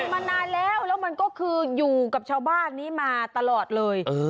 มานานแล้วแล้วมันก็คืออยู่กับชาวบ้านนี้มาตลอดเลย